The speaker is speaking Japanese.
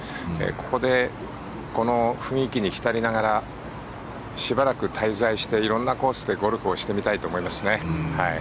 ここでこの雰囲気に浸りながらしばらく滞在して色んなコースでゴルフをしてみたいと思いますね。